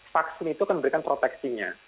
vaksin itu kan memberikan proteksinya